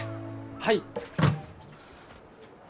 はい。